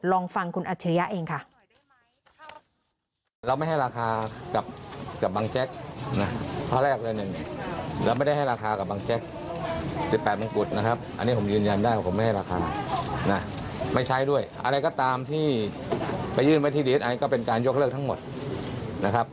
ลองฟังคุณอัจฉริยะเองค่ะ